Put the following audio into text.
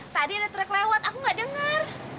tadi ada truk lewat aku gak dengar